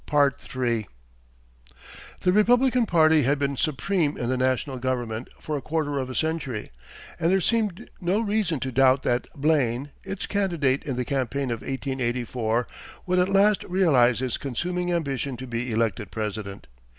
The Republican party had been supreme in the national government for a quarter of a century, and there seemed no reason to doubt that Blaine, its candidate in the campaign of 1884, would at last realize his consuming ambition to be elected President.